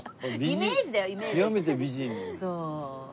イメージだよイメージ。